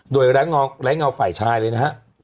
โดยแหละเงาไฝ่ชายเลยนะฮะ